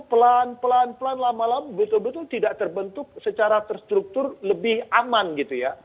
pelan pelan pelan lama lama betul betul tidak terbentuk secara terstruktur lebih aman gitu ya